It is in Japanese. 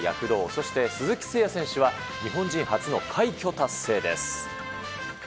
そして、鈴木誠也選手は日本人初の快挙達成です。